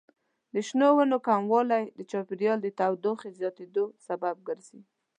د شنو ونو کموالی د چاپیریال د تودوخې زیاتیدو سبب ګرځي.